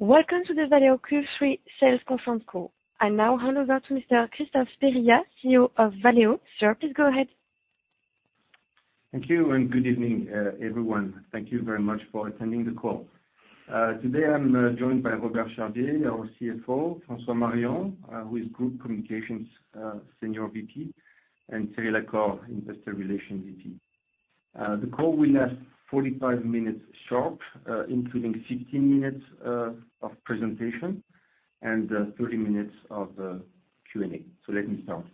Welcome to the Valeo Q3 Sales Conference Call. I now hand over to Mr. Christophe Périllat, CEO of Valeo. Sir, please go ahead. Thank you and good evening, everyone. Thank you very much for attending the call. Today I'm joined by Robert Charvier, our CFO, François Marion, who is Group Communications Senior VP, and Cyrille-Clémentine Accors, Investor Relations VP. The call will last 45 minutes sharp, including 16 minutes of presentation and 30 minutes of Q&A. Let me start.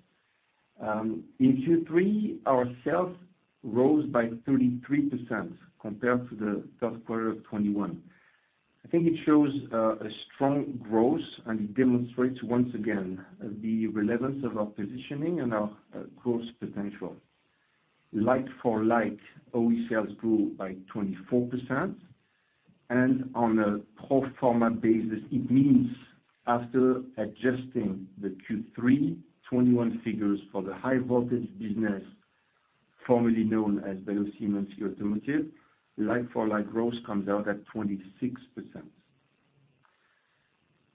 In Q3, our sales rose by 33% compared to the third quarter of 2021. I think it shows a strong growth and it demonstrates once again the relevance of our positioning and our growth potential. Like for like, OE sales grew by 24%. On a pro forma basis, it means after adjusting the Q3 2021 figures for the high voltage business formerly known as Valeo Siemens eAutomotive, like for like growth comes out at 26%.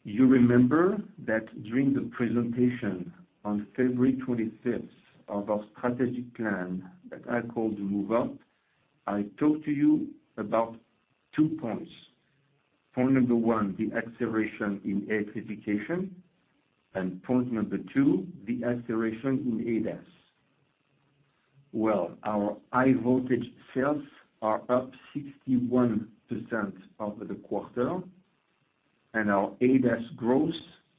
You remember that during the presentation on February 25th of our strategic plan that I called Move Up, I talked to you about two points. Point number one, the acceleration in electrification, and point number two, the acceleration in ADAS. Our high voltage sales are up 61% over the quarter, and our ADAS growth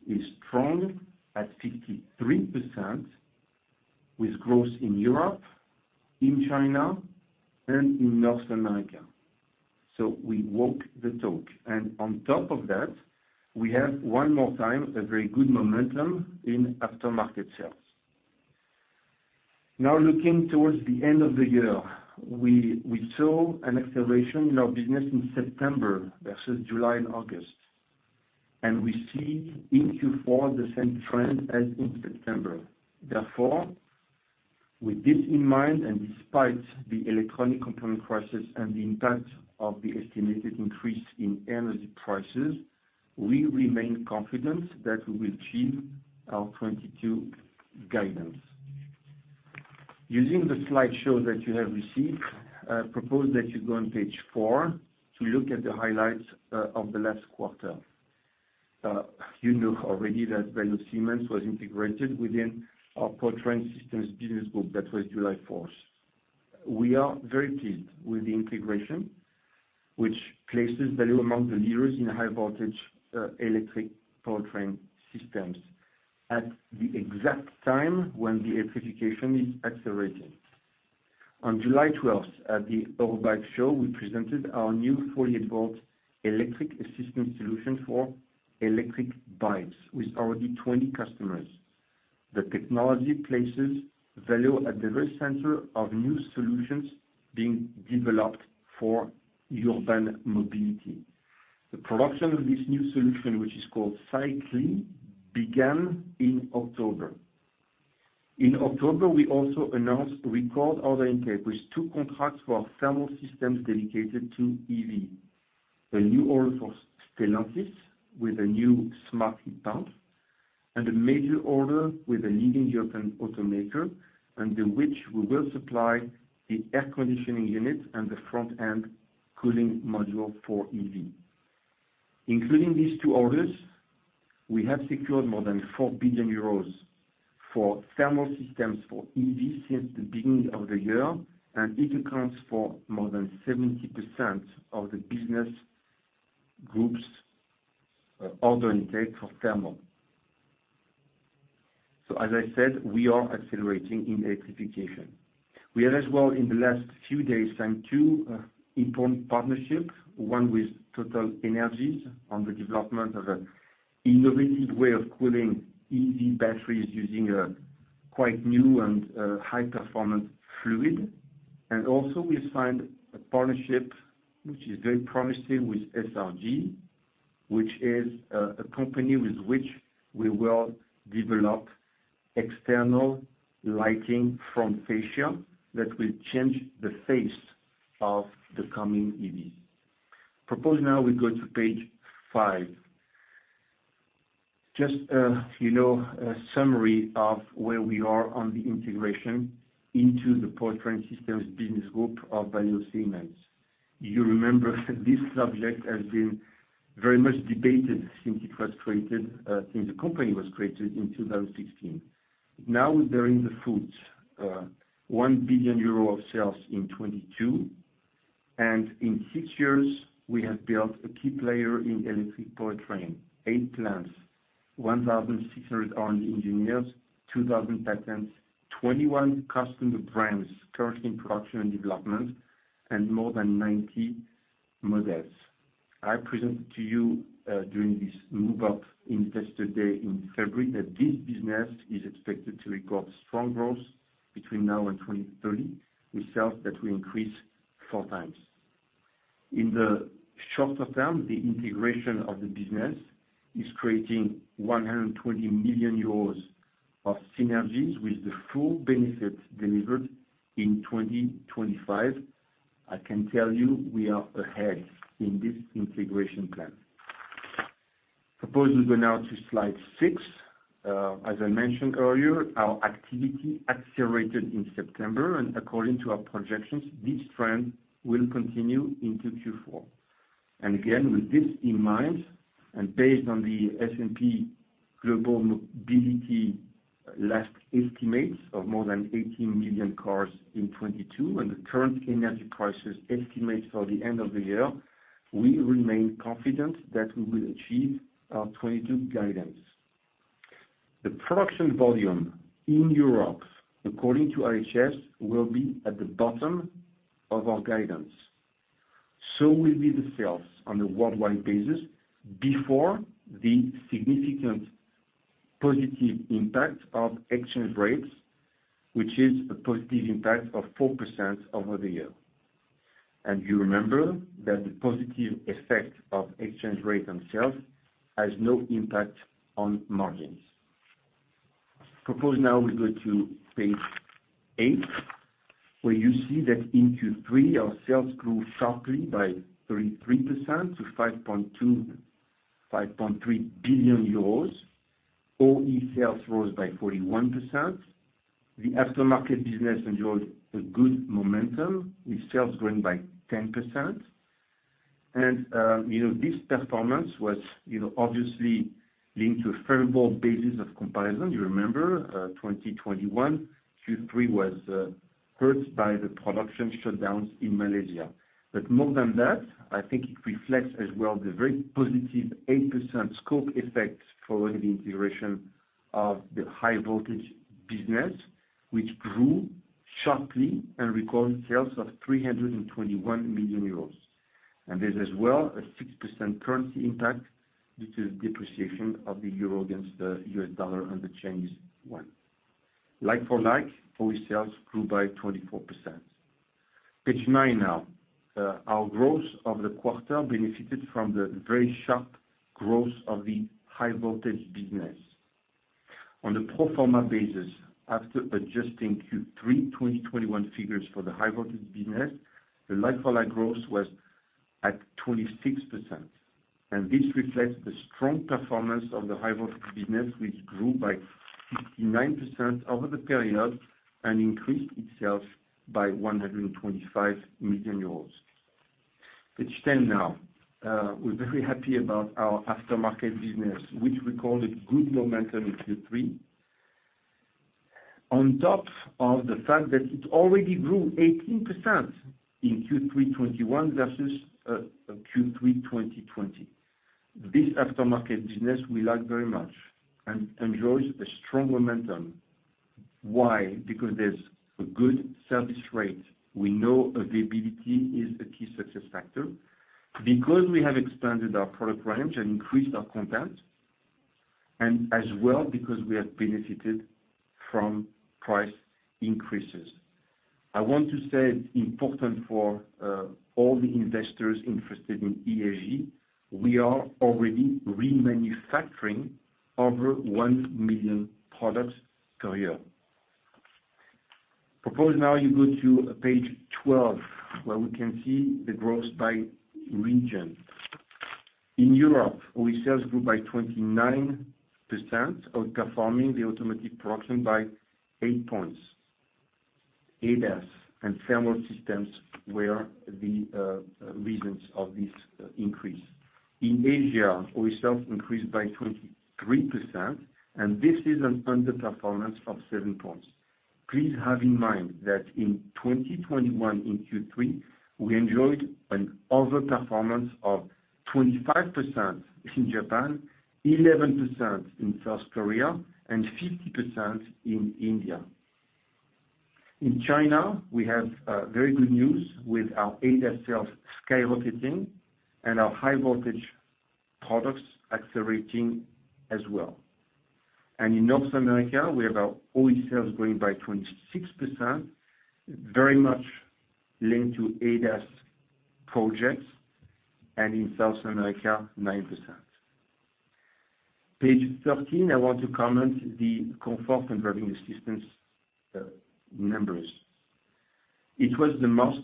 is strong at 53% with growth in Europe, in China, and in North America. We walk the talk. On top of that, we have one more time a very good momentum in aftermarket sales. Now, looking towards the end of the year, we saw an acceleration in our business in September vs July and August. We see in Q4 the same trend as in September. Therefore, with this in mind, and despite the electronic component crisis and the impact of the estimated increase in energy prices, we remain confident that we will achieve our 2022 guidance. Using the slideshow that you have received, I propose that you go on page four to look at the highlights of the last quarter. You know already that Valeo Siemens was integrated within our Power Train Systems business group. That was July 4. We are very pleased with the integration, which places Valeo among the leaders in high voltage electric Power Train Systems at the exact time when the electrification is accelerating. On July 12, at the Eurobike Show, we presented our new fully evolved electric assistance solution for electric bikes with already 20 customers. The technology places Valeo at the very center of new solutions being developed for urban mobility. The production of this new solution, which is called Cyclee, began in October. In October, we also announced record order intake with two contracts for our Thermal Systems dedicated to EV. A new order for Stellantis with a new smart heat pump and a major order with a leading European automaker under which we will supply the air conditioning unit and the front-end cooling module for EV. Including these two orders, we have secured more than 4 billion euros for Thermal Systems for EV since the beginning of the year, and it accounts for more than 70% of the business group's order intake for Thermal. As I said, we are accelerating in electrification. We have as well in the last few days signed two important partnerships, one with TotalEnergies on the development of an innovative way of cooling EV batteries using a quite new and high performance fluid. Also we signed a partnership which is very promising with SRG, which is a company with which we will develop external lighting front fascia that will change the face of the coming EV. Now let's go to page five. Just, you know, a summary of where we are on the integration into the Power Train Systems business group of Valeo Siemens eAutomotive. You remember this subject has been very much debated since it was created, since the company was created in 2016. Now they hit 1 billion euro of sales in 2022. In six years, we have built a key player in Electric Power Train, eight plants, 1,600 R&D engineers, 2,000 patents, 21 customer brands currently in production and development, and more than 90 models. I presented to you during this Move Up Investor Day in February that this business is expected to record strong growth between now and 2030, with sales that will increase four times. In the shorter term, the integration of the business is creating 120 million euros of synergies with the full benefits delivered in 2025. I can tell you we are ahead in this integration plan. Propose we go now to slide six. As I mentioned earlier, our activity accelerated in September, and according to our projections, this trend will continue into Q4. Again, with this in mind, and based on the S&P Global Mobility latest estimates of more than 18 million cars in 2022, and the current energy crisis estimates for the end of the year, we remain confident that we will achieve our 2022 guidance. The production volume in Europe, according to IHS, will be at the bottom of our guidance. Will be the sales on a worldwide basis before the significant positive impact of exchange rates, which is a positive impact of 4% over the year. You remember that the positive effect of exchange rate on sales has no impact on margins. I propose now we go to page eight, where you see that in Q3, our sales grew sharply by 33% to 5.3 billion euros. OE sales rose by 41%. The aftermarket business enjoyed a good momentum, with sales growing by 10%. You know, this performance was, you know, obviously linked to a favorable basis of comparison. You remember, 2021 Q3 was hurt by the production shutdowns in Malaysia. More than that, I think it reflects as well the very +ve8% scope effects following the integration of the high voltage business, which grew sharply and recorded sales of 321 million euros. There's as well a 6% currency impact due to depreciation of the euro against the U.S. dollar and the Chinese Yuan. Like for like, OE sales grew by 24%. Page nine now. Our growth of the quarter benefited from the very sharp growth of the high voltage business. On the pro forma basis, after adjusting Q3 2021 figures for the high voltage business, the like-for-like growth was at 26%, and this reflects the strong performance of the high voltage business, which grew by 59% over the period and increased itself by 125 million euros. Page 10 now. We're very happy about our aftermarket business, which recorded good momentum in Q3. On top of the fact that it already grew 18% in Q3 2021 vs Q3 2020. This aftermarket business we like very much and enjoys a strong momentum. Why? Because there's a good service rate. We know availability is a key success factor. Because we have expanded our product range and increased our content, and as well because we have benefited from price increases. I want to say it's important for all the investors interested in ELG, we are already remanufacturing over 1 million products per year. I propose now you go to page 12, where we can see the growth by region. In Europe, OE sales grew by 29%, outperforming the automotive production by 8 points. ADAS and Thermal Systems were the reasons of this increase. In Asia, OE sales increased by 23%, and this is an underperformance of 7 points. Please have in mind that in 2021, in Q3, we enjoyed an overperformance of 25% in Japan, 11% in South Korea, and 50% in India. In China, we have very good news with our ADAS sales skyrocketing and our high voltage products accelerating as well. In North America, we have our OE sales growing by 26%, very much linked to ADAS projects, and in South America, 9%. Page 13, I want to comment on the Comfort and Driving Assistance, numbers. It was the most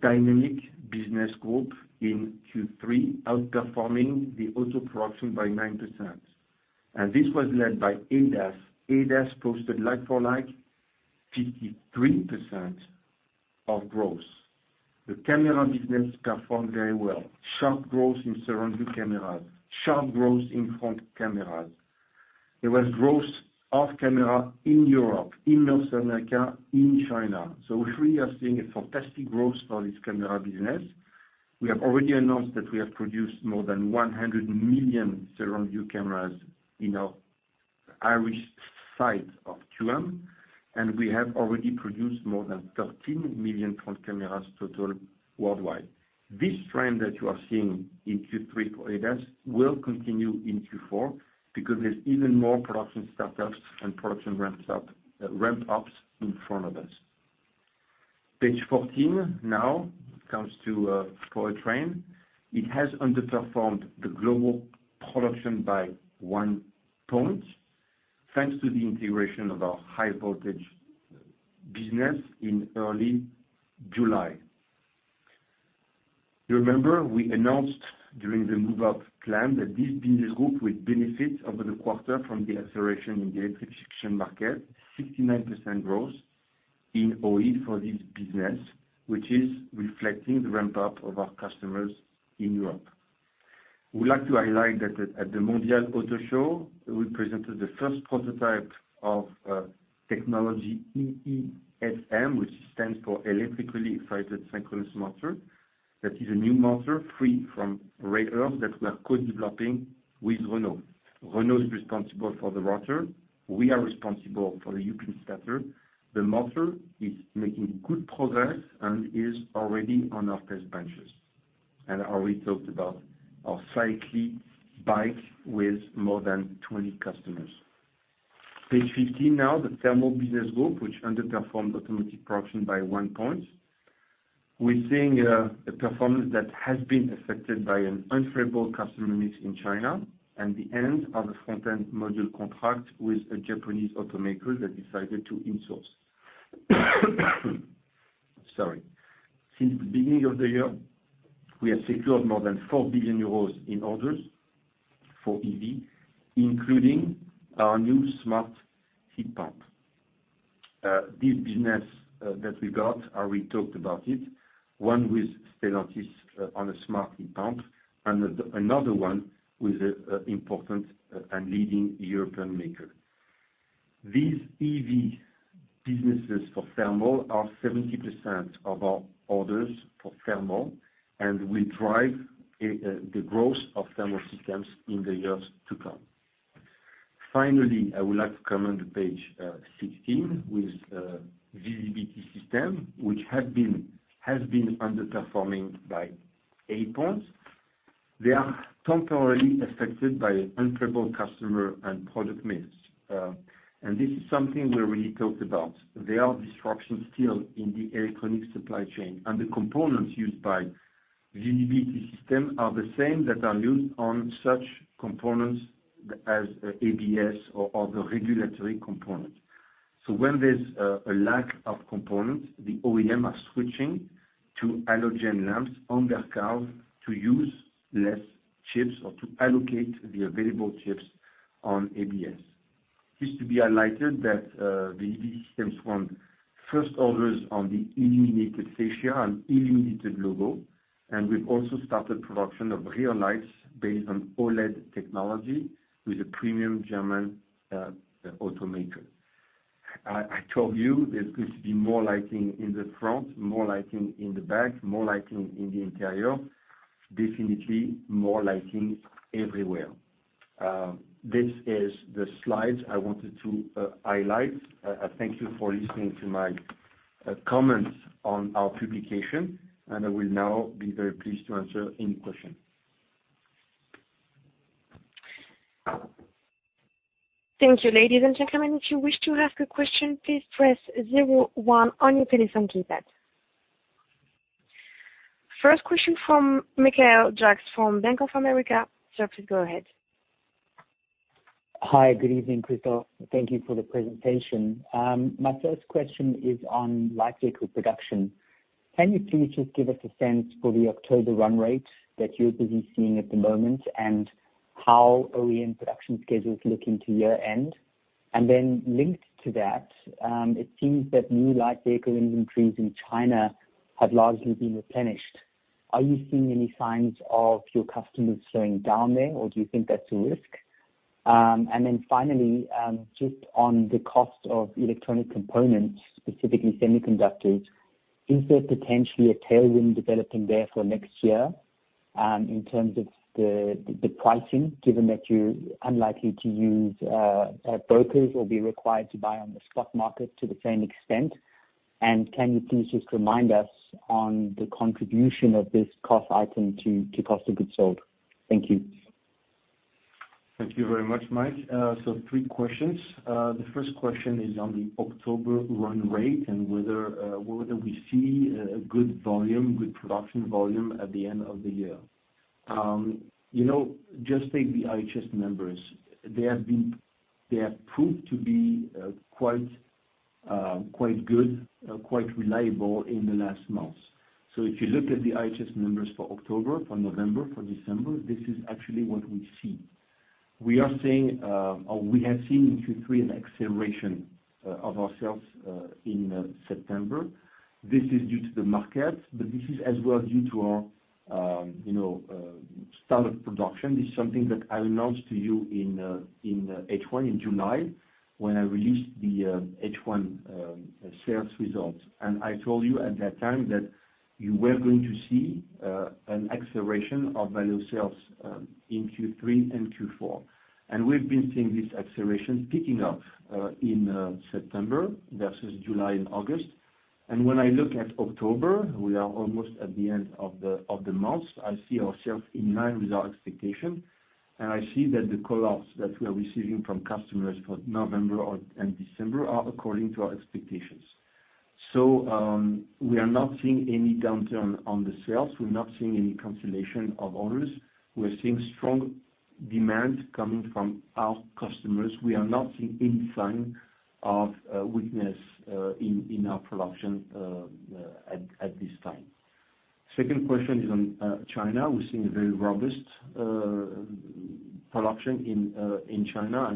dynamic business group in Q3, outperforming the auto production by 9%. This was led by ADAS. ADAS posted like-for-like 53% of growth. The camera business performed very well. Sharp growth in surround-view cameras, sharp growth in front cameras. There was growth of camera in Europe, in North America, in China. We are seeing a fantastic growth for this camera business. We have already announced that we have produced more than 100 million surround-view cameras in our Irish site in Q1, and we have already produced more than 13 million front cameras total worldwide. This trend that you are seeing in Q3 for ADAS will continue in Q4 because there's even more production startups and production ramp-ups in front of us. Page 14 now comes to Power Train. It has underperformed the global production by 1 point, thanks to the integration of our high voltage business in early July. You remember we announced during the Move Up plan that this business group will benefit over the quarter from the acceleration in the electrification market, 69% growth in OE for this business, which is reflecting the ramp-up of our customers in Europe. We'd like to highlight that at the Mondial de l'Auto, we presented the first prototype of technology EESM, which stands for electrically excited synchronous motor. That is a new motor free from rare earth that we are co-developing with Renault. Renault is responsible for the rotor. We are responsible for the upfront starter. The motor is making good progress and is already on our test benches. I already talked about our Cyclee bike with more than 20 customers. Page 15 now, the Thermal business group, which underperformed automotive production by 1 point. We're seeing a performance that has been affected by an unfavorable customer mix in China and the end of a front-end module contract with a Japanese automaker that decided to in-source. Sorry. Since the beginning of the year, we have secured more than 4 billion euros in orders for EV, including our new smart heat pump. This business that we got, I already talked about it, one with Stellantis on a smart heat pump, and another one with a important and leading European maker. These EV businesses for thermal are 70% of our orders for thermal, and will drive the growth of thermal systems in the years to come. Finally, I would like to come on to page 16 with Visibility Systems, which has been underperforming by 8 points. They are temporarily affected by unfavorable customer and product mix. And this is something we already talked about. There are disruptions still in the electronic supply chain, and the components used by Visibility Systems are the same that are used on such components as ABS or other regulatory components. When there's a lack of components, the OEM are switching to halogen lamps on their cars to use less chips or to allocate the available chips on ABS. This to be highlighted that Visibility Systemss won first orders on the illuminated fascia and illuminated logo. We've also started production of rear lights based on OLED technology with a premium German automaker. I told you there's going to be more lighting in the front, more lighting in the back, more lighting in the interior. Definitely more lighting everywhere. These are the slides I wanted to highlight. Thank you for listening to my comments on our publication, and I will now be very pleased to answer any question. Thank you, ladies and gentlemen. If you wish to ask a question, please press zero one on your telephone keypad. First question from Michael Jacks from Bank of America. Sir, please go ahead. Hi. Good evening, Christophe. Thank you for the presentation. My first question is on light vehicle production. Can you please just give us a sense for the October run rate that you're seeing at the moment, and how OEM production schedules look into year-end? Linked to that, it seems that new light vehicle inventories in China have largely been replenished. Are you seeing any signs of your customers slowing down there, or do you think that's a risk? Just on the cost of electronic components, specifically semiconductors, is there potentially a tailwind developing there for next year, in terms of the pricing, given that you're unlikely to use brokers or be required to buy on the stock market to the same extent? Can you please just remind us on the contribution of this cost item to cost of goods sold? Thank you. Thank you very much, Mike. Three questions. The first question is on the October run rate and whether we see a good volume, good production volume at the end of the year. You know, just take the IHS numbers. They have proved to be quite good, quite reliable in the last months. If you look at the IHS numbers for October, for November, for December, this is actually what we see. We are seeing or we have seen in Q3 an acceleration of our sales in September. This is due to the market, but this is as well due to our standard production. This is something that I announced to you in H1, in July, when I released the H1 sales results. I told you at that time that you were going to see an acceleration of value sales in Q3 and Q4. We've been seeing this acceleration picking up in September vs July and August. When I look at October, we are almost at the end of the month. I see ourselves in line with our expectation. I see that the call outs that we are receiving from customers for November and December are according to our expectations. We are not seeing any downturn on the sales. We're not seeing any cancellation of orders. We're seeing strong demand coming from our customers. We are not seeing any sign of weakness in our production at this time. Second question is on China. We're seeing a very robust production in China.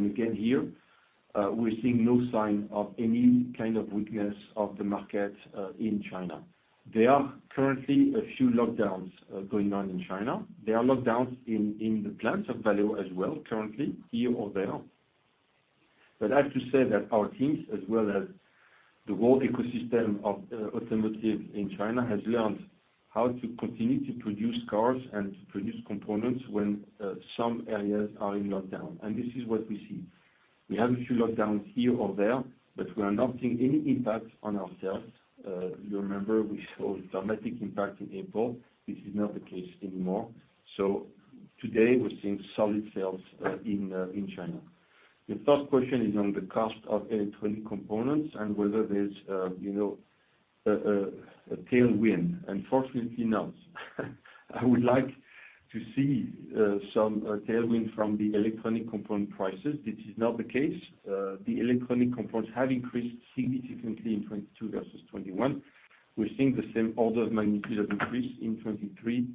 We're seeing no sign of any kind of weakness of the market in China. There are currently a few lockdowns going on in China. There are lockdowns in the plants of Valeo as well currently, here or there. I have to say that our teams as well as the whole ecosystem of automotive in China has learned how to continue to produce cars and to produce components when some areas are in lockdown. This is what we see. We have a few lockdowns here or there, but we are not seeing any impact on our sales. You remember we saw a dramatic impact in April. This is not the case anymore. Today we're seeing solid sales in China. The third question is on the cost of electronic components and whether there's, you know, a tailwind. Unfortunately not. I would like to see some tailwind from the electronic component prices. This is not the case. The electronic components have increased significantly in 2022 vs 2021. We're seeing the same order of magnitude of increase in 2023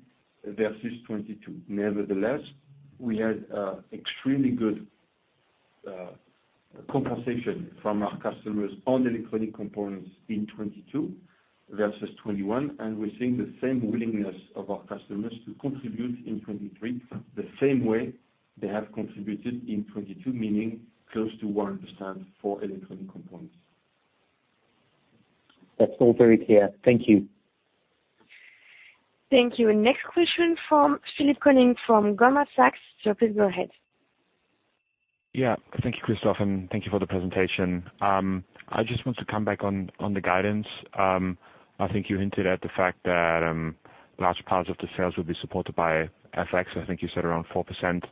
vs 2022. Nevertheless, we had extremely good compensation from our customers on electronic components in 2022 vs 2021, and we're seeing the same willingness of our customers to contribute in 2023 the same way they have contributed in 2022, meaning close to 100% for electronic components. That's all very clear. Thank you. Thank you. Next question from Philippe Houchois from Jefferies. Sir, please go ahead. Yeah. Thank you, Christophe, and thank you for the presentation. I just want to come back on the guidance. I think you hinted at the fact that large parts of the sales will be supported by FX. I think you said around 4%,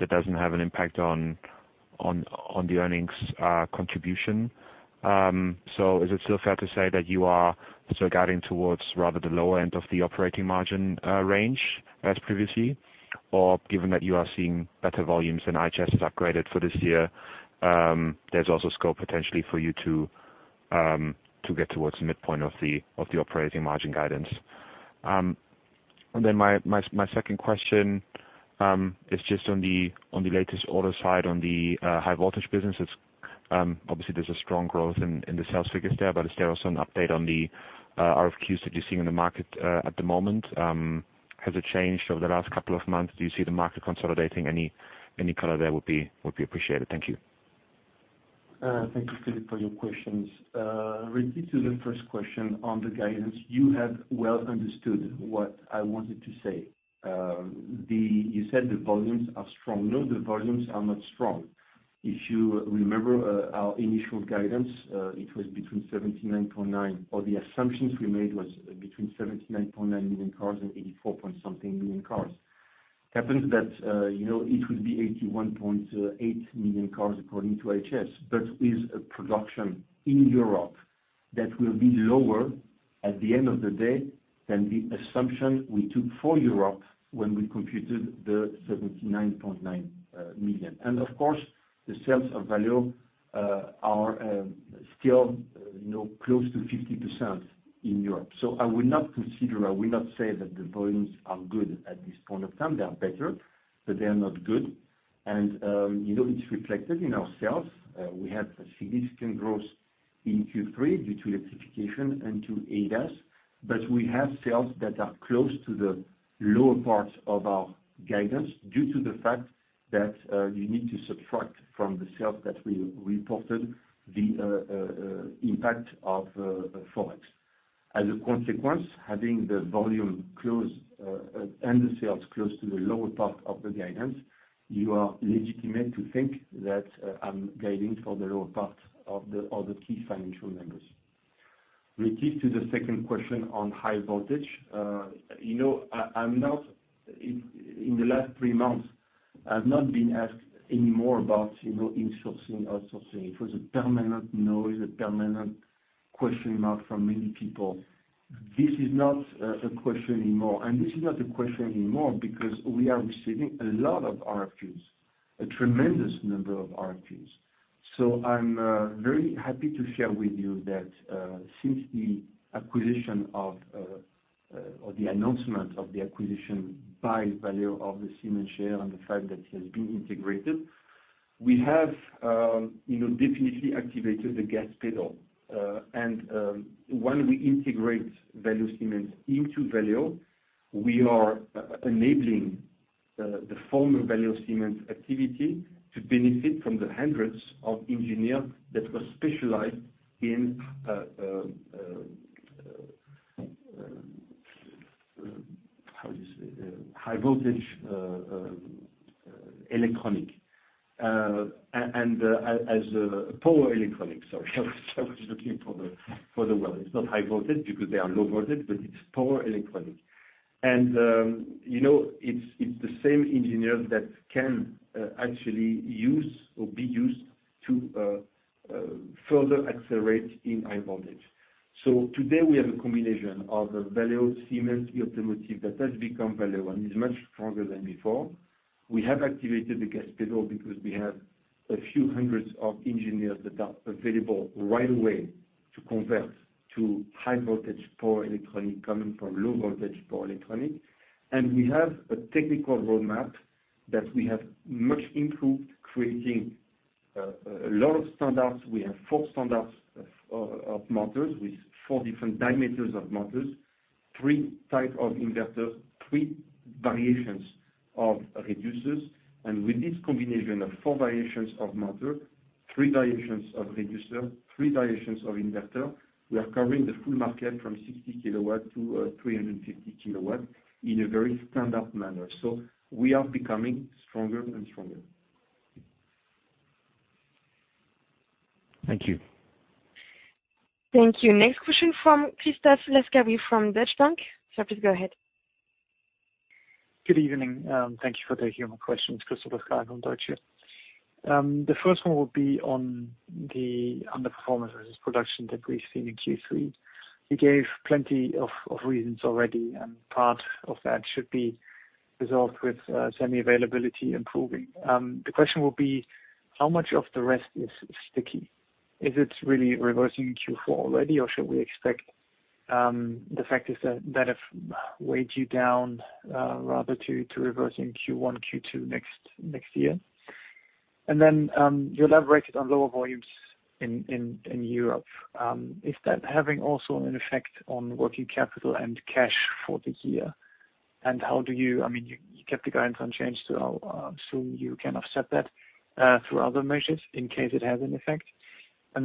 that doesn't have an impact on the earnings contribution. Is it still fair to say that you are sort of guiding towards rather the lower end of the operating margin range as previously? Or given that you are seeing better volumes and IHS has upgraded for this year, there's also scope potentially for you to get towards the midpoint of the operating margin guidance. And then my second question is just on the latest order side on the high voltage businesses. Obviously there's a strong growth in the sales figures there, but is there also an update on the RFQs that you're seeing in the market at the moment? Has it changed over the last couple of months? Do you see the market consolidating? Any color there would be appreciated. Thank you. Thank you, Philippe, for your questions. Related to the first question on the guidance, you have well understood what I wanted to say. You said the volumes are strong. No, the volumes are not strong. If you remember, our initial guidance, it was between 79.9, or the assumptions we made was between 79.9 million cars and 84.something million cars. Happens that, you know, it will be 81.8 million cars according to IHS, but with a production in Europe that will be lower at the end of the day than the assumption we took for Europe when we computed the 79.9 million. Of course, the sales of Valeo are still, you know, close to 50% in Europe. I would not consider, I will not say that the volumes are good at this point of time. They are better, but they are not good. You know, it's reflected in our sales. We had a significant growth in Q3 due to electrification and to ADAS, but we have sales that are close to the lower part of our guidance due to the fact that you need to subtract from the sales that we reported the impact of Forex. As a consequence, having the volume close, and the sales close to the lower part of the guidance, you are legitimate to think that I'm guiding for the lower part of the key financial numbers. Related to the second question on high voltage, in the last three months, I've not been asked any more about insourcing, outsourcing. It was a permanent noise, a permanent question mark from many people. This is not a question anymore, and this is not a question anymore because we are receiving a lot of RFQs, a tremendous number of RFQs. I'm very happy to share with you that since the acquisition or the announcement of the acquisition by Valeo of the Siemens share and the fact that it has been integrated, we have definitely activated the gas pedal. When we integrate Valeo Siemens eAutomotive into Valeo, we are enabling the former Valeo Siemens eAutomotive activity to benefit from the 100s of engineers that were specialized in how do you say, high voltage electronic. As power electronics, sorry, I was looking for the word. It's not high voltage because they are low voltage, but it's power electronics. You know, it's the same engineers that can actually use or be used to further accelerate in high voltage. Today we have a combination of Valeo Siemens eAutomotive that has become Valeo and is much stronger than before. We have activated the gas pedal because we have a few 100 engineers that are available right away to convert to high voltage power electronics coming from low voltage power electronics. We have a technical roadmap that we have much improved, creating a lot of standards. We have four standards of motors with four different diameters of motors, three type of inverters, three variations of reducers. With this combination of four variations of motor, three variations of reducer, three variations of inverter, we are covering the full market from 60 kW to 350 kW in a very standard manner. We are becoming stronger and stronger. Thank you. Thank you. Next question from Christoph Laskawi from Deutsche Bank. Sir, please go ahead. Good evening. Thank you for taking my questions, Christoph Laskawi from Deutsche Bank. The first one will be on the performance vs production that we've seen in Q3. You gave plenty of reasons already, and part of that should be resolved with semi availability improving. The question will be how much of the rest is sticky? Is it really reversing in Q4 already, or should we expect the factors that have weighed you down rather to reversing in Q2 next year? You elaborated on lower volumes in Europe. Is that having also an effect on working capital and cash for the year? I mean, you kept the guidance unchanged, so assume you can offset that through other measures in case it has an effect.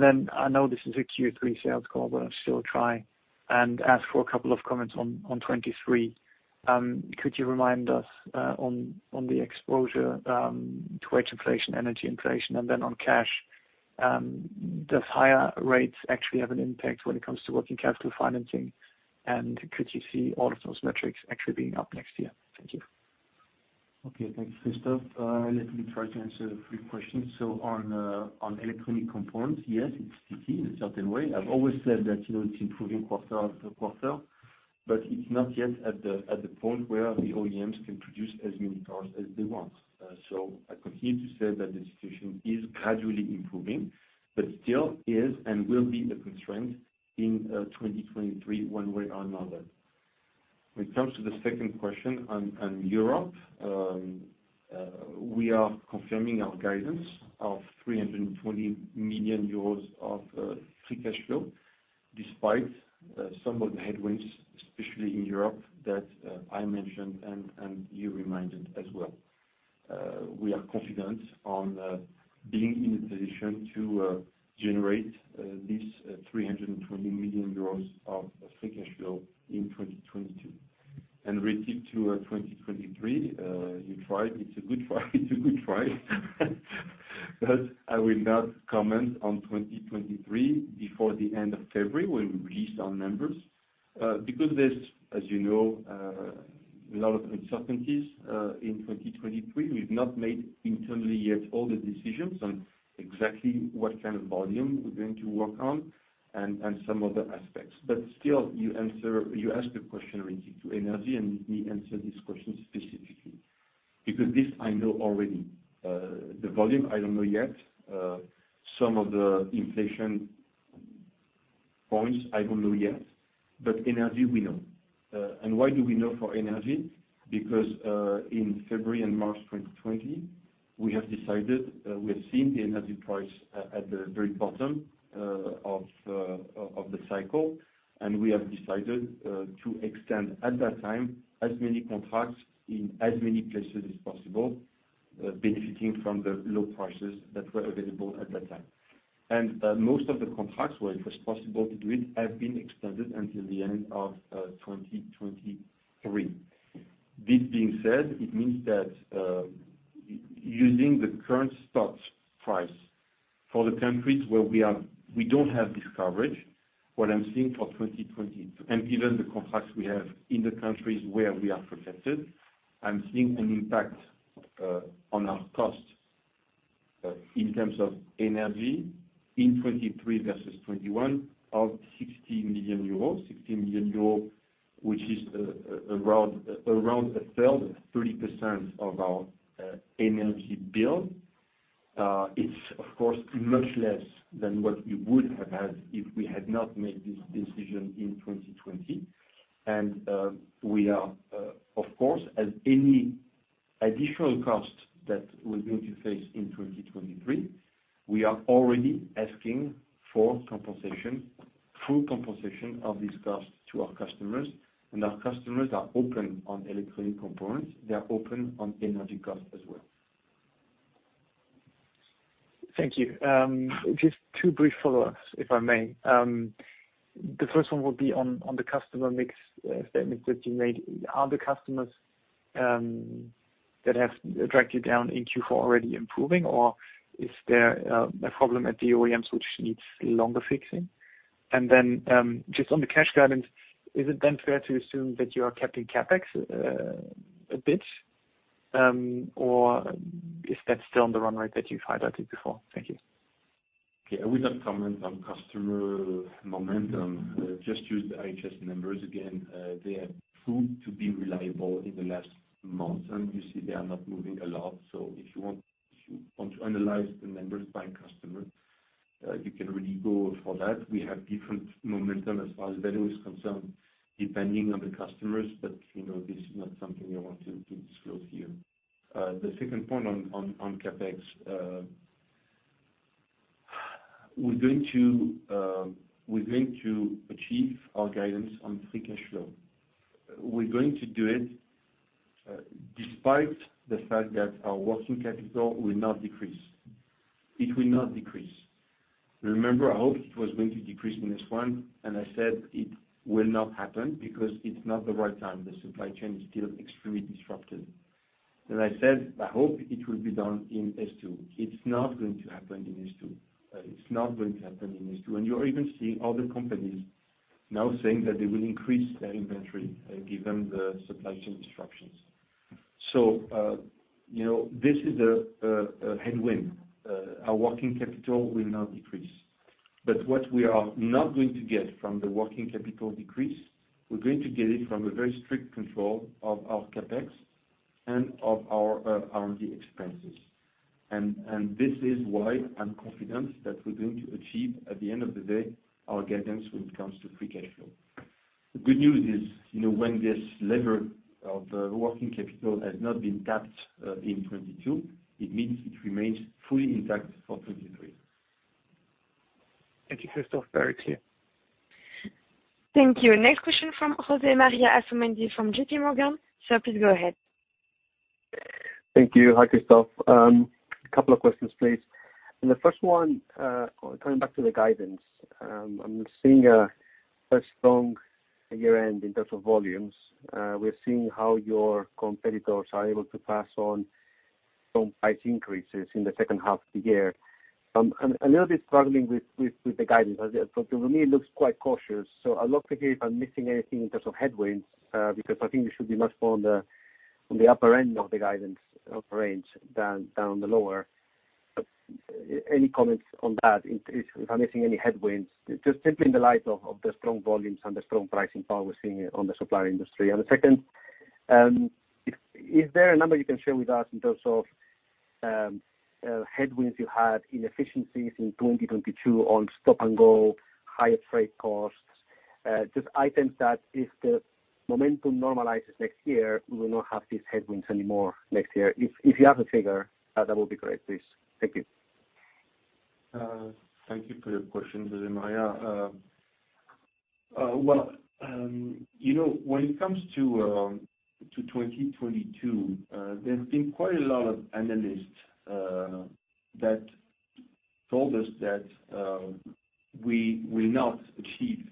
I know this is a Q3 sales call, but I'll still try and ask for a couple of comments on 2023. Could you remind us on the exposure to wage inflation, energy inflation, and then on cash, does higher rates actually have an impact when it comes to working capital financing? Could you see all of those metrics actually being up next year? Thank you. Okay. Thanks, Christoph Laskawi. Let me try to answer the three questions. On electronic components, yes, it's sticky in a certain way. I've always said that, you know, it's improving quarter after quarter, but it's not yet at the point where the OEMs can produce as many cars as they want. I continue to say that the situation is gradually improving, but still is and will be a constraint in 2023 one way or another. When it comes to the second question on Europe, we are confirming our guidance of 320 million euros of free cash flow despite some of the headwinds, especially in Europe that I mentioned and you reminded as well. We are confident on being in a position to generate this 320 million euros of free cash flow in 2022. Related to 2023, you tried. It's a good try. I will not comment on 2023 before the end of February when we release our numbers because there's, as you know, a lot of uncertainties in 2023. We've not made internally yet all the decisions on exactly what kind of volume we're going to work on and some other aspects. Still, you asked a question related to energy, and let me answer this question specifically because this I know already. The volume, I don't know yet. Some of the inflation points, I don't know yet. Energy we know. Why do we know for energy? Because in February and March 2020, we have seen the energy price at the very bottom of the cycle. We have decided to extend at that time as many contracts in as many places as possible, benefiting from the low prices that were available at that time. Most of the contracts where it was possible to do it have been extended until the end of 2023. This being said, it means that, using the current spot price for the countries where we are—we don't have this coverage, what I'm seeing for 2022, and given the contracts we have in the countries where we are protected, I'm seeing an impact on our costs in terms of energy in 2023 vs 2021 of 60 million euros. 60 million euros, which is around a 1/3, 30% of our energy bill. It's of course much less than what we would have had if we had not made this decision in 2020. We are of course, as any additional cost that we're going to face in 2023, already asking for compensation, full compensation of this cost to our customers. Our customers are open on electronic components. They are open on energy costs as well. Thank you. Just two brief follow-ups, if I may. The first one will be on the customer mix statement that you made. Are the customers that have dragged you down in Q4 already improving, or is there a problem at the OEMs which needs longer fixing? Then, just on the cash guidance, is it then fair to assume that you are capping CapEx a bit, or is that still on the run rate that you've highlighted before? Thank you. Okay. We don't comment on customer momentum. Just use the IHS numbers again. They have proved to be reliable in the last months, and you see they are not moving a lot. If you want to analyze the numbers by customer, you can really go for that. We have different momentum as far as value is concerned, depending on the customers. You know, this is not something I want to disclose here. The second point on CapEx. We're going to achieve our guidance on free cash flow. We're going to do it despite the fact that our working capital will not decrease. It will not decrease. Remember, I hoped it was going to decrease in this one, and I said it will not happen because it's not the right time. The supply chain is still extremely disrupted. I said, I hope it will be done in H2. It's not going to happen in H2. You are even seeing other companies now saying that they will increase their inventory, given the supply chain disruptions. You know, this is a headwind. Our working capital will not decrease. What we are not going to get from the working capital decrease, we're going to get it from a very strict control of our CapEx and of our R&D expenses. This is why I'm confident that we're going to achieve, at the end of the day, our guidance when it comes to free cash flow. The good news is, you know, when this lever of working capital has not been tapped in 2022, it means it remains fully intact for 2023. Thank you, Christophe. Very clear. Thank you. Next question from José Maria Asumendi from JPMorgan. Sir, please go ahead. Thank you. Hi, Christophe. A couple of questions, please. The first one, coming back to the guidance. I'm seeing a strong year-end in terms of volumes. We're seeing how your competitors are able to pass on some price increases in the second half of the year. I'm a little bit struggling with the guidance. For me, it looks quite cautious. I'd love to hear if I'm missing anything in terms of headwinds, because I think we should be much more on the upper end of the guidance range than down the lower. Any comments on that, if I'm missing any headwinds, just simply in the light of the strong volumes and the strong pricing power we're seeing on the supplier industry. Is there a number you can share with us in terms of headwinds you had, inefficiencies in 2022 on stop-and-go, higher freight costs, just items that if the momentum normalizes next year, we will not have these headwinds anymore next year. If you have a figure, that will be great, please. Thank you. Thank you for your question, José María Asumendi. Well, you know, when it comes to 2022, there's been quite a lot of analysts that told us that we will not achieve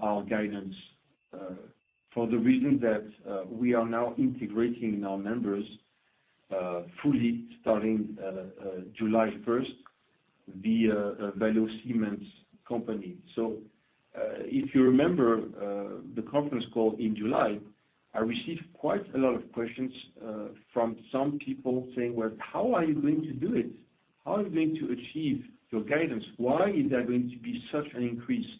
our guidance for the reason that we are now integrating our members fully starting July 1 via Valeo Siemens eAutomotive. If you remember, the conference call in July, I received quite a lot of questions from some people saying, "Well, how are you going to do it? How are you going to achieve your guidance? Why is there going to be such an increase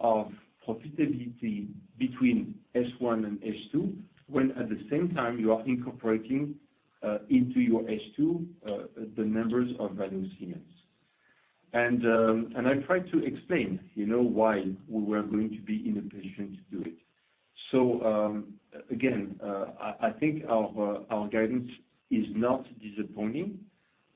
of profitability between S1 and S2 when at the same time you are incorporating into your H2 the members of Valeo Siemens eAutomotive? I tried to explain, you know, why we were going to be in a position to do it. Again, I think our guidance is not disappointing.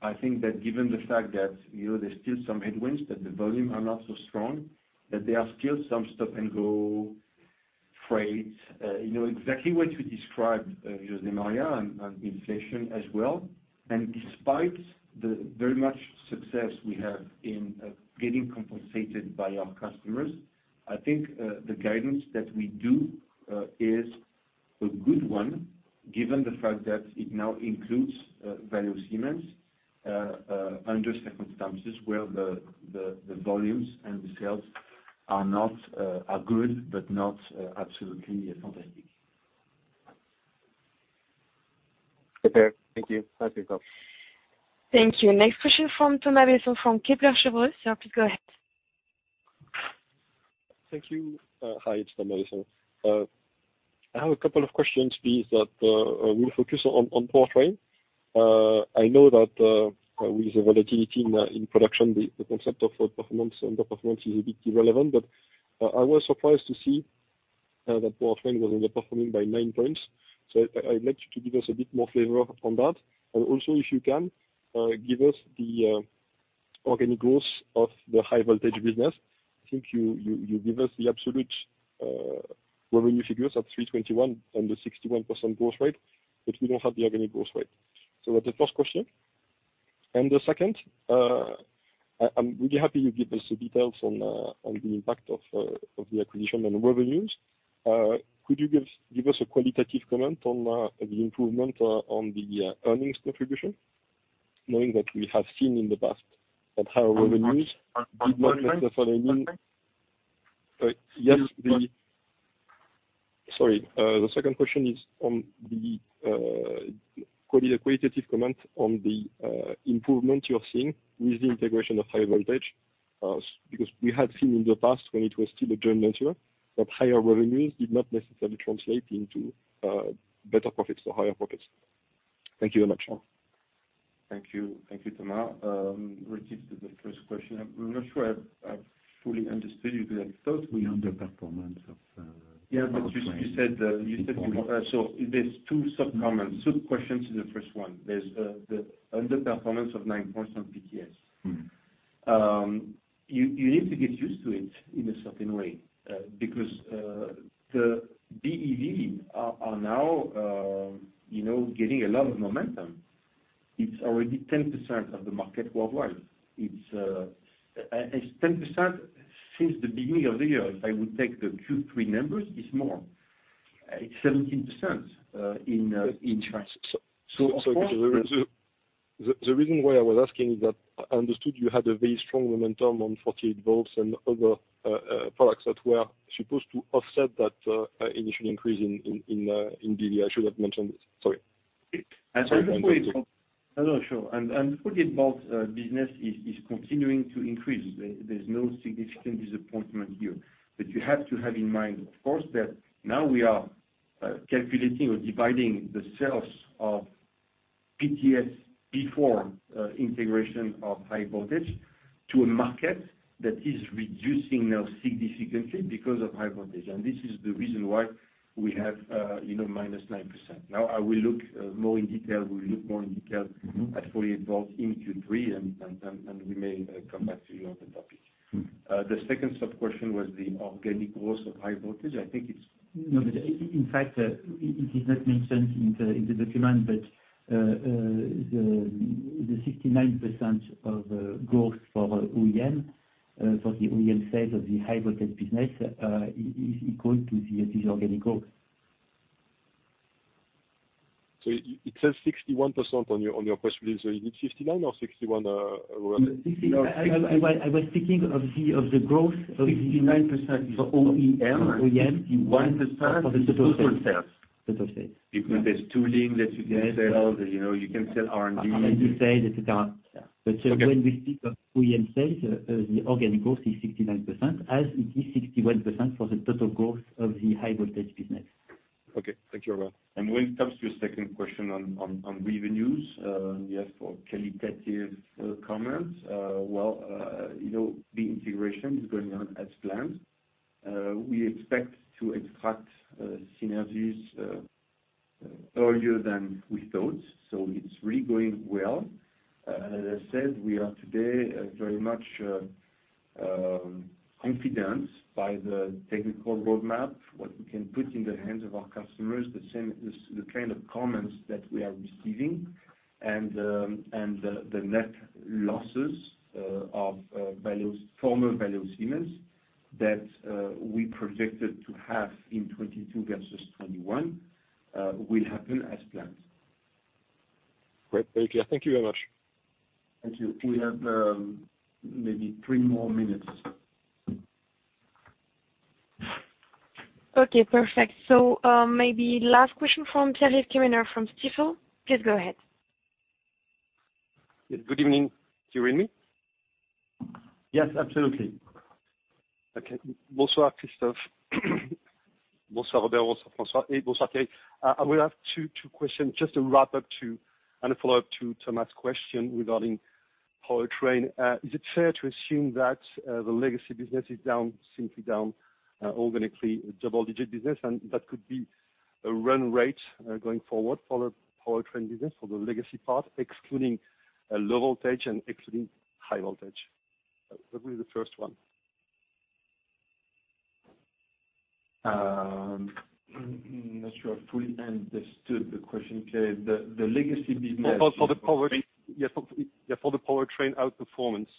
I think that given the fact that, you know, there's still some headwinds, that the volumes are not so strong, that there are still some stop-and-go effects, you know exactly what you described, José Asumendi, and inflation as well. Despite the very much success we have in getting compensated by our customers, I think the guidance that we do is a good one, given the fact that it now includes Valeo Siemens under circumstances where the volumes and the sales are good, but not absolutely fantastic. Okay. Thank you. Bye, Christophe. Thank you. Next question from Thomas Besson from Kepler Cheuvreux. Sir, please go ahead. Thank you. Hi, it's Thomas Besson. I have a couple of questions, please, that will focus on Power Train. I know that with the volatility in production, the concept of performance and the performance is a bit irrelevant. I was surprised to see that Power Train was underperforming by 9 points. I'd like you to give us a bit more flavor on that. Also, if you can give us the organic growth of the high voltage business. I think you give us the absolute revenue figures at 321 and the 61% growth rate, but we don't have the organic growth rate. That's the first question. The second, I'm really happy you give us the details on the impact of the acquisition and revenues. Could you give us a qualitative comment on the improvement on the earnings contribution, knowing that we have seen in the past that higher revenues did not necessarily mean- One moment. Yes. The second question is on the qualitative comment on the improvement you're seeing with the integration of high voltage. Because we had seen in the past when it was still a joint venture, that higher revenues did not necessarily translate into better profits or higher profits. Thank you very much. Thank you. Thank you, Thomas. Related to the first question, I'm not sure I've fully understood you. I thought. The underperformance of You said that. There's two sub comments. Sub questions to the first one. There's the underperformance of 9 point some PTS. Mm-hmm. You need to get used to it in a certain way, because the BEV are now, you know, getting a lot of momentum. It's already 10% of the market worldwide. It's 10% since the beginning of the year. If I would take the Q3 numbers, it's more. It's 17% in China. The reason why I was asking is that I understood you had a very strong momentum on 48-volt and other products that were supposed to offset that initial increase in BEV. I should have mentioned it. Sorry. Forget about business is continuing to increase. There's no significant disappointment here. You have to have in mind, of course, that now we are calculating or dividing the sales of PTS before integration of high voltage to a market that is reducing now significantly because of high voltage. This is the reason why we have, you know, -9%. Now we'll look more in detail. Mm-hmm. At 48 volts in Q3, and we may come back to you on the topic. Mm. The second sub-question was the organic growth of high voltage. I think it's No, in fact, it is not mentioned in the document, but the 69% of growth for OEM sales of the high voltage business is equal to this organic growth. It says 61% on your press release. Is it 59% or 61%? 60%- No, 60%- I was thinking of the growth. 69% is for OEM. For OEM. 61% is total sales. Total sales. Because there's tooling that you can sell. You know, you can sell R&D. R&D sales, et cetera. Yeah. Okay. When we speak of OEM sales, the organic growth is 69%, as it is 61% for the total growth of the high voltage business. Okay. Thank you very much. When it comes to your second question on revenues, you ask for qualitative comments. Well, you know, the integration is going on as planned. We expect to extract synergies earlier than we thought, so it's really going well. As I said, we are today very much confident by the technical roadmap, what we can put in the hands of our customers. The same, the kind of comments that we are receiving and the net losses of Valeo's former Valeo Siemens eAutomotive that we projected to have in 2022 vs 2021 will happen as planned. Great. Very clear. Thank you very much. Thank you. We have maybe three more minutes. Okay, perfect. Maybe last question from Pierre-Yves Quemener from Stifel. Please go ahead. Good evening. Can you hear me? Yes, absolutely. Bon soir, Christophe. Bon soir, Robert. Bon soir, François. Et bon soir, Pierre. I would have two questions just to wrap up too, and a follow-up to Thomas' question regarding Power Train. Is it fair to assume that the legacy business is down, simply down, organically double-digit business, and that could be a run rate going forward for the Power Train business for the legacy part, excluding low voltage and excluding high voltage? That will be the first one. Not sure I've fully understood the question, Pierre. The legacy business. For the Power Train outperformance,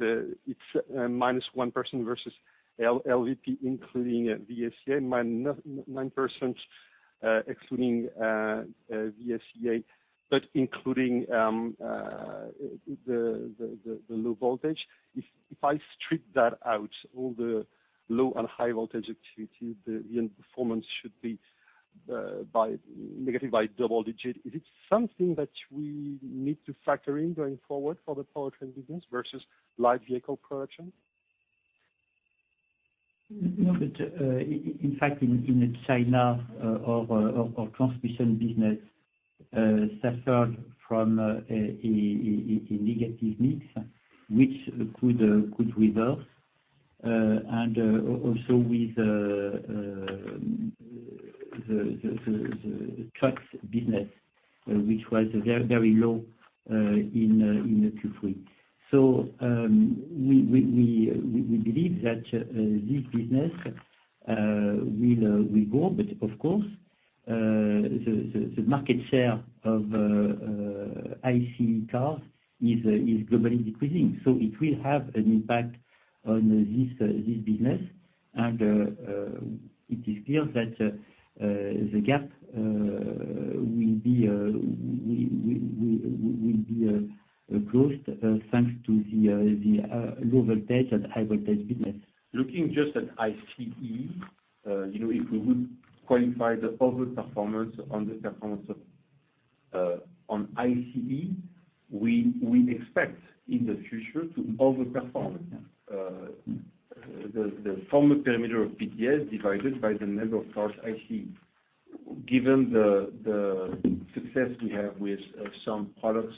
it's -1% vs LVP, including VSE, -9%, excluding VSEA, but including the low voltage. If I strip that out, all the low and high voltage activity, the end performance should be negative double-digit. Is it something that we need to factor in going forward for the Power Train business vs live vehicle production? No, in fact, in China, our transmission business suffered from a negative mix which could reverse. The trucks business, which was very low in the Q3. We believe that this business will grow. Of course, the market share of ICE cars is globally decreasing. It will have an impact on this business. It is clear that the gap will be closed thanks to the low voltage and high voltage business. Looking just at ICE, you know, if we would qualify the overperformance, underperformance on ICE, we expect in the future to overperform. Yeah. The former perimeter of PTS divided by the number of cars ICE. Given the success we have with some products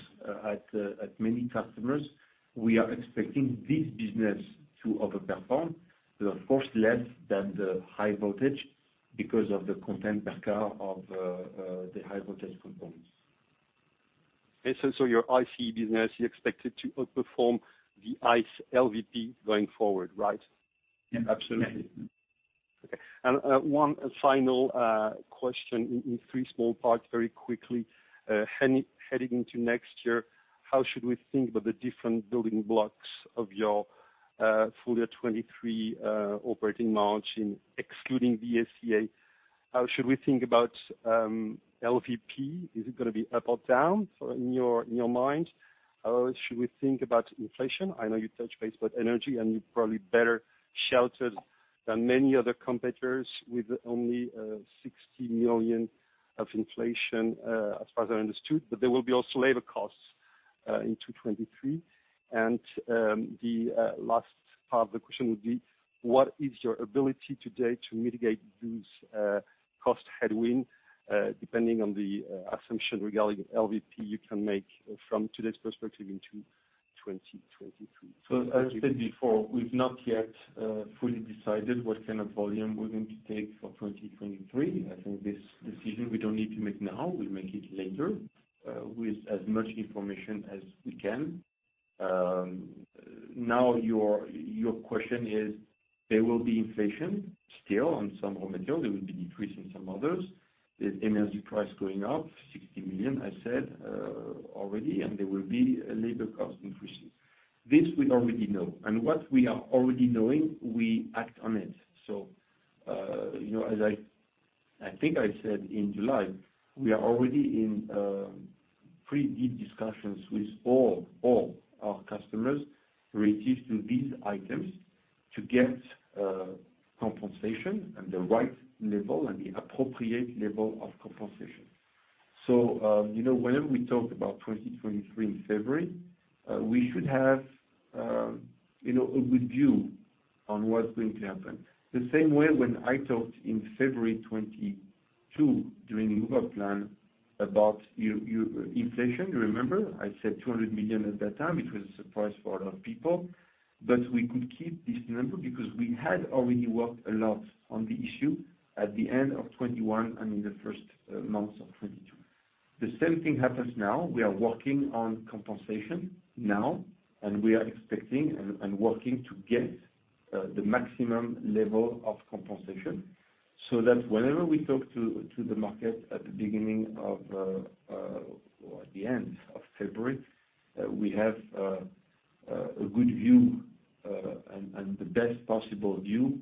at many customers, we are expecting this business to overperform. They are of course less than the high voltage because of the content per car of the high voltage components. Okay. Your ICE business, you expect it to outperform the ICE LVP going forward, right? Yeah, absolutely. Okay. One final question in three small parts very quickly. Heading into next year, how should we think about the different building blocks of your full year 2023 operating margin excluding the ACA? How should we think about LVP? Is it gonna be up or down in your mind? How else should we think about inflation? I know you touched base about energy, and you're probably better sheltered than many other competitors with only 60 million of inflation as far as I understood. There will be also labor costs in 2023. The last part of the question would be, what is your ability today to mitigate those cost headwind depending on the assumption regarding LVP you can make from today's perspective into 2023? As I said before, we've not yet fully decided what kind of volume we're going to take for 2023. I think this decision we don't need to make now, we'll make it later, with as much information as we can. Now your question is, there will be inflation still on some raw material. There will be decrease in some others. The energy price going up 60 million, I said, already. There will be a labor cost increase. This we already know. What we are already knowing, we act on it. You know, as I think I said in July, we are already in pretty deep discussions with all our customers relating to these items to get compensation and the right level and the appropriate level of compensation. You know, whenever we talk about 2023 in February, we should have, you know, a good view on what's going to happen. The same way when I talked in February 2022 during the Move Up plan about inflation. You remember? I said 200 million at that time, which was a surprise for a lot of people. But we could keep this number because we had already worked a lot on the issue at the end of 2021 and in the first months of 2022. The same thing happens now. We are working on compensation now, and we are expecting and working to get the maximum level of compensation so that whenever we talk to the market at the beginning of or at the end of February, we have a good view and the best possible view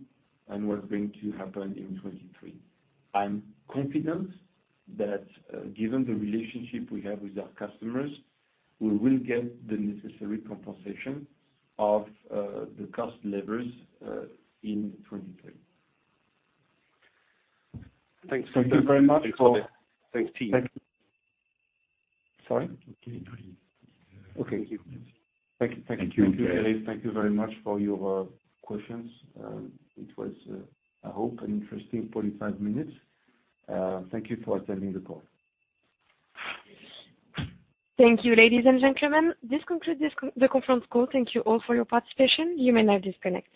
on what's going to happen in 2023. I'm confident that given the relationship we have with our customers, we will get the necessary compensation of the cost levers in 2020. Thanks. Thank you very much for. Thanks team. Sorry? In 2023. Okay. Thank you. Thank you. Thank you. Thank you very much for your questions. It was, I hope, an interesting 45 minutes. Thank you for attending the call. Thank you, ladies and gentlemen. This concludes the conference call. Thank you all for your participation. You may now disconnect.